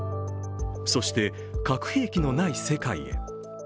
そして核兵器のない世界へ。